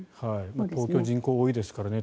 東京、人口が多いですからね。